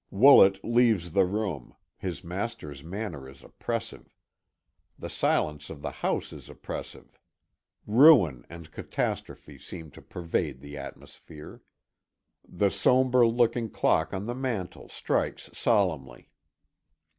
Woolet leaves the room his master's manner is oppressive. The silence of the house is oppressive. Ruin and catastrophe seem to pervade the atmosphere. The sombre looking clock on the mantel strikes solemnly.